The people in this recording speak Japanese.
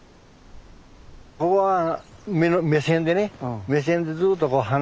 ここは目線でね目線でずっと花がね